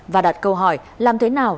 và đặt câu hỏi làm thế nào